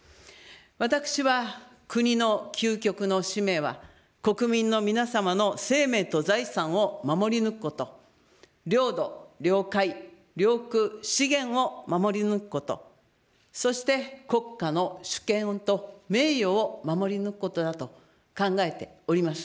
私は国の究極の使命は、国民の皆様の生命と財産を守り抜くこと、領土、領海、領空、資源を守り抜くこと、そして国家の主権と名誉を守り抜くことだと考えております。